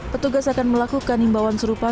petugas akan melakukan imbauan serupa